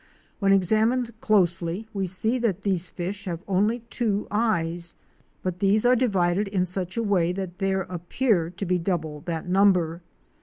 When examined closely we see that these fish have only two eyes, but these are divided in such a way that there appear to be double that number.